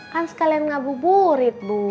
kan sekalian ngabuburit bu